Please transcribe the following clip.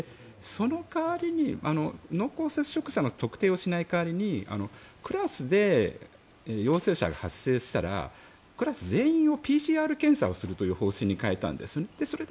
その代わりに濃厚接触者の特定をしない代わりにクラスで陽性者が発生したらクラス全員をＰＣＲ検査をするという方針に変えたんです。